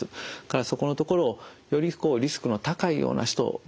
そこのところをよりリスクの高いような人ですね